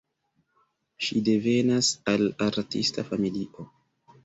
Ŝi devenas el artista familio.